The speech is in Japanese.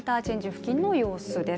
付近の様子です。